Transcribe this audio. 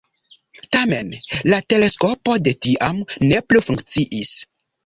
Tamen, la teleskopo de tiam ne plu funkciis.